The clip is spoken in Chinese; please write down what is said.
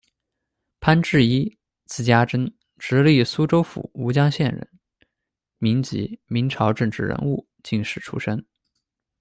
潘志伊，字嘉征，直隶苏州府吴江县人，民籍，明朝政治人物、进士出身。